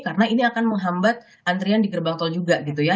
karena ini akan menghambat antrian di gerbang tol juga gitu ya